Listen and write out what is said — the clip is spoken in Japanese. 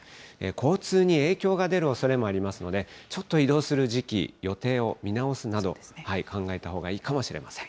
交通に影響が出るおそれもありますので、ちょっと移動する時期、予定を見直すなど、考えたほうがいいかもしれません。